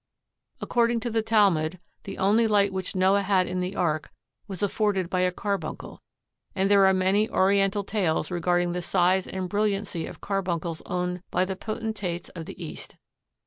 According to the Talmud, the only light which Noah had in the ark was afforded by a carbuncle, and there are many Oriental tales regarding the size and brilliancy of carbuncles owned by the potentates of the East.